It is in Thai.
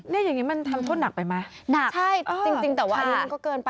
แล้วตอนนี้ใช้อะไรล่ะ